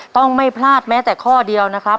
ต้องไม่พลาดแม้แต่ข้อเดียวนะครับ